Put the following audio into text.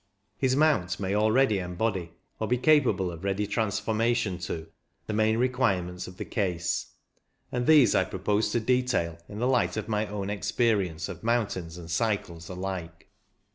His mount may already embody — or be capable of ready transformation to — ^the main requirements of the case ; and these I propose to detail in the light of my own experience of mountains and cycles alike.